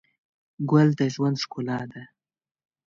ګل د ژوند ښکلا ده.